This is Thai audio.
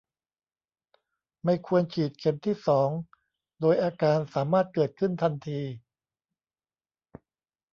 ไม่ควรฉีดเข็มที่ สอง โดยอาการสามารถเกิดขึ้นทันที